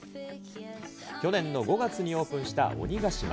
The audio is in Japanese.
去年の５月にオープンした鬼ヶ島。